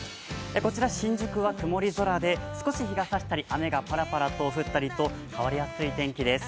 こちら新宿は曇り空で少し日がさしたり雨がパラパラと降ったりと変わりやすい天気です。